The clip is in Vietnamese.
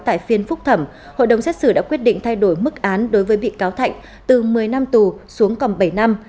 tại phiên phúc thẩm hội đồng xét xử đã quyết định thay đổi mức án đối với bị cáo thạnh từ một mươi năm tù xuống còn bảy năm